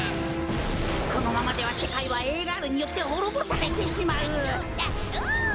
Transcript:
このままではせかいはＡガールによってほろぼされてしまう。